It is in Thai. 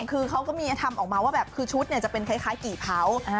คือเขาก็มีทำออกมาว่าแบบคือชุดจะเป็นคล้ายกี่เผา